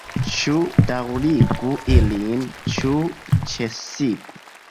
Ĉu daŭrigu ilin, ĉu ĉesigu?